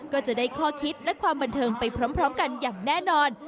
ก็จะได้ข้อคิดและความบันเทิงไปพร้อมกันอย่างแน่นอน